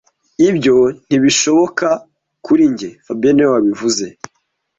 Ibyo ntibishoboka kuri njye fabien niwe wabivuze